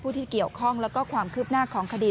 ที่เกี่ยวข้องแล้วก็ความคืบหน้าของคดี